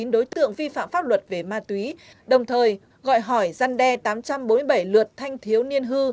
bốn mươi chín đối tượng vi phạm pháp luật về ma túy đồng thời gọi hỏi dăn đe tám trăm bốn mươi bảy luật thanh thiếu niên hư